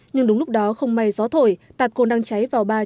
nhưng đúng lúc đó không may gió thổi tạt côn đang cháy vào ba